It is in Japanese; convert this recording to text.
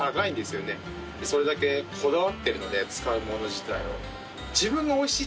それだけこだわってるので使うもの自体を。